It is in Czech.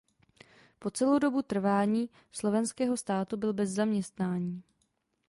Po celou dobu trvání Slovenského státu byl bez zaměstnání.